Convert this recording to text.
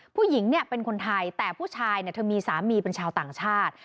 ผู้หญิงเป็นคนไทยแต่ผู้ชายเธอมีสามีเป็นชาวต่างชาติ